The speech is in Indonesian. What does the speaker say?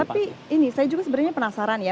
tapi ini saya juga sebenarnya penasaran ya